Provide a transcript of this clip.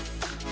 di situ ya